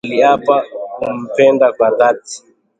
aliapa kumpenda kwa dhati